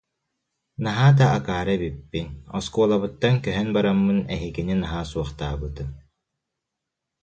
Наһаа да акаары эбиппин, оскуолабыттан көһөн бараммын эһигини наһаа суохтаабытым